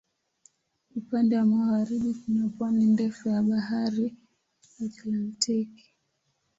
Upande wa magharibi kuna pwani ndefu ya Bahari Atlantiki.